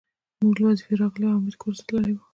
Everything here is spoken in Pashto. مور له وظيفې راغلې وه او حميد کورس ته تللی و